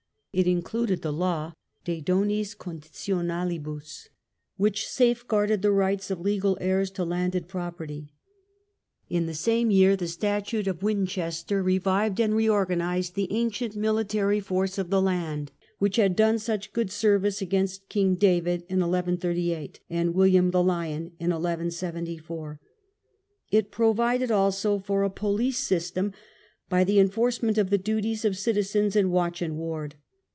It included the law de donis conditionalibus, which safe guarded the rights of legal heirs to landed property. In the same year the Statute of Winchester revived and reorganized the ancient military force of the land, which }iad done such good service against King David in 11 38, ^nd William the Lion in 1174. It provided also for a police system, by the enforcement of the duties of citizens in watch and ward.